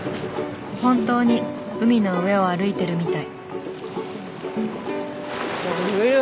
本当に海の上を歩いてるみたい。